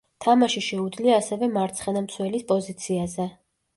თამაში შეუძლია ასევე მარცხენა მცველის პოზიციაზე.